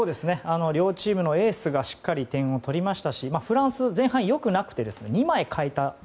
両チームのエースがしっかり点を取りましたしフランス、前半良くなくて２枚代えた。